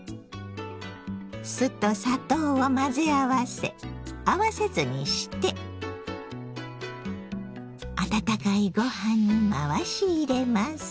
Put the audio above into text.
酢と砂糖を混ぜ合わせ合わせ酢にして温かいご飯に回し入れます。